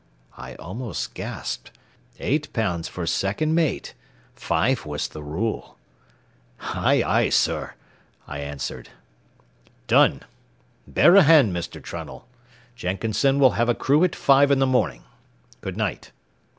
I almost gasped. Eight pounds for second mate! Five was the rule. "Aye, aye, sir," I answered. "Done. Bear a hand, Mr. Trunnell. Jenkinson will have a crew at five in the morning. Good night."